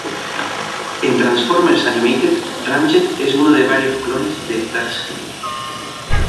En Transformers Animated, Ramjet es uno de varios clones de Starscream.